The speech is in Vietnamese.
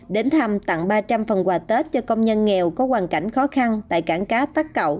đến thăm tặng ba trăm linh phần quà tết cho công nhân nghèo có hoàn cảnh khó khăn tại cảng cá tắc cậu